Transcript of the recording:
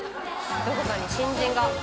どこかに新人が。